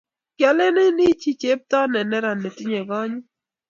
Kialeni ichi chepto ne neran ne tinyei konyit